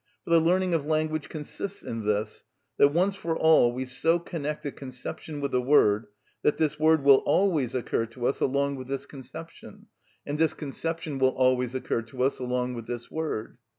For the learning of language consists in this, that once for all we so connect a conception with a word that this word will always occur to us along with this conception, and this conception will always occur to us along with this word.